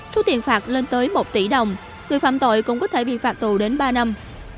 số tiền phạt lên tới một tỷ đồng người phạm tội cũng có thể bị phạt tù đến ba năm